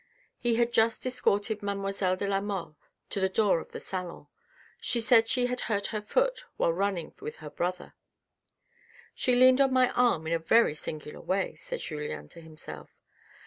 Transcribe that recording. He had just escorted mademoiselle de la Mole to the door of the salon. She said she had hurt her foot while running with her brother. " She leaned on my arm in a very singular way," said Julien to himself.